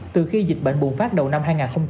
từ khi dịch bệnh bùng phát đầu năm hai nghìn